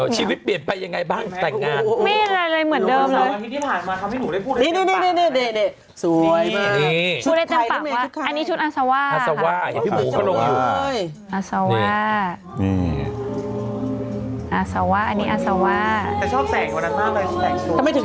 ชัยด้วยล่ะตัวในแลนด์ก็สวยมาก